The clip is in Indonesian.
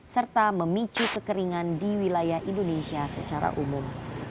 serta memicu kekeringan di wilayah indonesia secara umum